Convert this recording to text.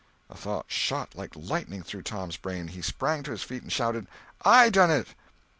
A thought shot like lightning through Tom's brain. He sprang to his feet and shouted—"I done it!"